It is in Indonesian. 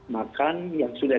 makan yang sudah